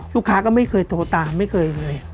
ลูกค้าก็ไม่เคยโทรตามไม่เคยเลย